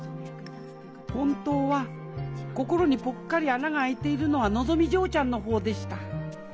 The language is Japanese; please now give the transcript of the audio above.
本当は心にぽっかり穴が開いているのはのぞみ嬢ちゃんの方でした。